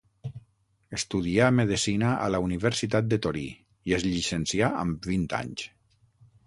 Estudià medecina a la Universitat de Torí, i es llicencià amb vint anys.